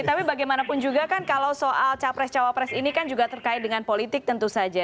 tapi bagaimanapun juga kan kalau soal capres cawapres ini kan juga terkait dengan politik tentu saja